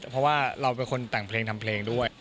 เพราะว่าเราเป็นคนแต่งเพลงทำเพลงด้วย